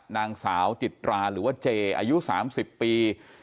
นางสาวจิตราหรือว่าเจอายุ๓๐ปี